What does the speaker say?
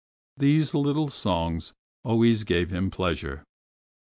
These little songs always gave him pleasure.